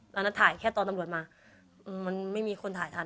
นั้นถ่ายแค่ตอนตำรวจมามันไม่มีคนถ่ายทัน